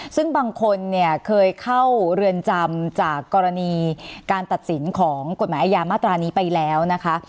ซึ่งบางคนเนี่ยเคยเข้าเรือนจำจากกรณีการตัดสินของกฎหมายอาญามาตรานี้ไปแล้วนะคะ